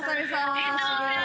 お久しぶりです。